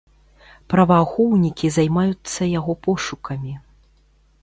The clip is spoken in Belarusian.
Праваахоўнікі займаюцца яго пошукамі.